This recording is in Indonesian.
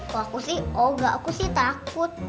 kok aku sih oh gak aku sih takut